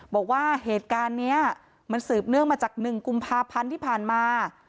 บอกว่าเหตุการณ์นี้มันสืบเนื่องมาจาก๑กุมภาพันธ์ที่ผ่านมา